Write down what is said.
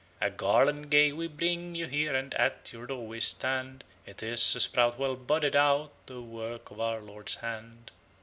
A garland gay we bring you here; And at your door we stand; It is a sprout well budded out, The work of our Lord's hand."